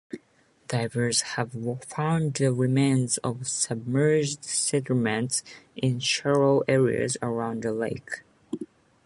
Divers have found the remains of submerged settlements in shallow areas around the lake.